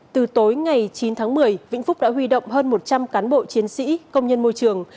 từ tối ngày chín tháng một mươi vĩnh phúc đã huy động hơn một trăm linh cán bộ chiến sĩ công nhân môi trường